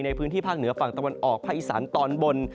ในพื้นที่ภาคเหนือฝั่งตะวันออกภาคอีสานตอนบน